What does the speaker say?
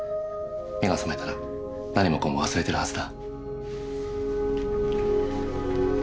目が覚めたら何もかも忘れてるはずだ。